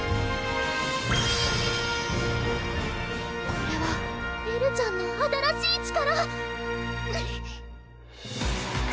これはエルちゃんの新しい力！